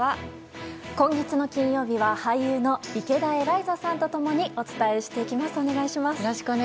今月の金曜日は俳優の池田エライザさんと共にお伝えしていきます。